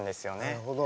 なるほど。